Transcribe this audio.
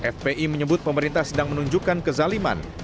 fpi menyebut pemerintah sedang menunjukkan kezaliman